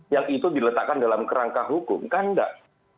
yang itu diletakkan dalam kerangka hukum kan enggak